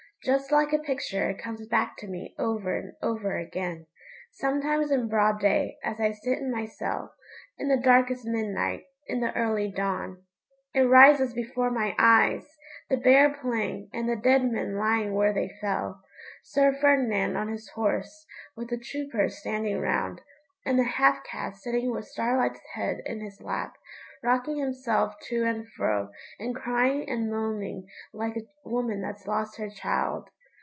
Just like a picture it comes back to me over and over again, sometimes in broad day, as I sit in my cell, in the darkest midnight, in the early dawn. It rises before my eyes the bare plain, and the dead men lying where they fell; Sir Ferdinand on his horse, with the troopers standing round; and the half caste sitting with Starlight's head in his lap, rocking himself to and fro, and crying and moaning like a woman that's lost her child.